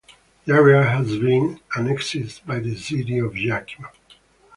The area has been annexed by the city of Yakima.